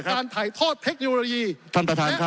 ขอประท้วงครับขอประท้วงครับขอประท้วงครับขอประท้วงครับ